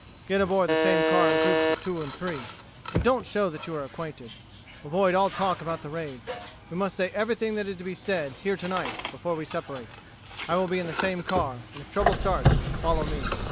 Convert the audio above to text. Get aboard the same car in groups of two and three, and don't show that you are acquainted. Avoid all talk about the raid. We must say everything that is to be said here tonight before we separate. I will be in the same car, and if trouble starts, follow me.